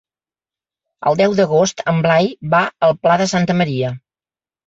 El deu d'agost en Blai va al Pla de Santa Maria.